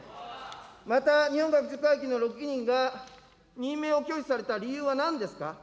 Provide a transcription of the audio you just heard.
また日本学術会議の６人が、任命を拒否された理由はなんですか。